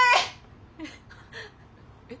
えっ！？